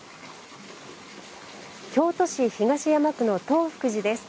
京都市東山区の東福寺です。